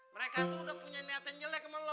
mereka tuh udah punya niat yang jelek sama lo